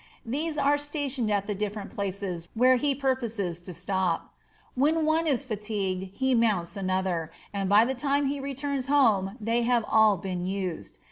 These are stationed at the difierent places where he purposes to stop. When one is fatigued he mounts another, and by the time he returns home they have all been used.